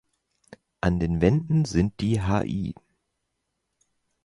An den Wänden sind die Hl.